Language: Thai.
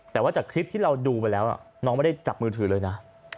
แต่ว่าจากคลิปที่เราดูไปแล้วน้องไม่ได้จับมือถือเลยนะ